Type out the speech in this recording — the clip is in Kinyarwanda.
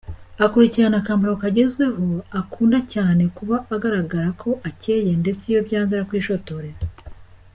Akurikirana akambaro kagezweho, akunda cyane kuba agaragara ko acyeye, ndetse iyo byanze arakwishotorera.